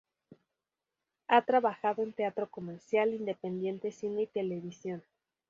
Ha trabajado en teatro comercial, independiente, cine y televisión.